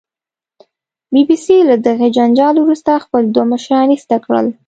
بي بي سي له دغې جنجال وروسته خپل دوه مشران ایسته کړل